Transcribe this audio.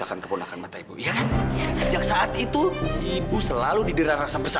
jangan hancurkan diri saya